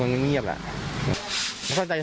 ไม่ได้ยินอยู่เลยธรรมการ